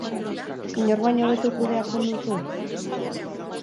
Inork baino hobeto kudeatzen duzu?